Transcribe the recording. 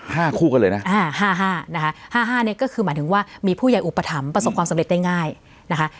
ห้าคู่กันเลยนะอ่าห้าห้านะคะห้าห้าเนี่ยก็คือหมายถึงว่ามีผู้ใหญ่อุปถัมภ์ประสบความสำเร็จได้ง่ายนะคะ